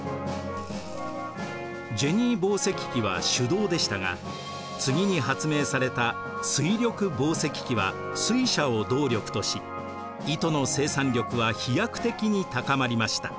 ジェニー紡績機は手動でしたが次に発明された水力紡績機は水車を動力とし糸の生産力は飛躍的に高まりました。